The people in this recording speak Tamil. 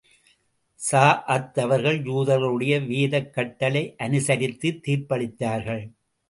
ஸஅத் அவர்கள் யூதர்களுடைய வேதக் கட்டளை அனுசரித்துத் தீர்ப்பளித்தார்கள்.